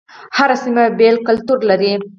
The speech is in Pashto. هر سيمه بیل کلتور لري